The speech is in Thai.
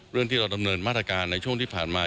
เรื่องที่เราดำเนินมาตรการในช่วงที่ผ่านมา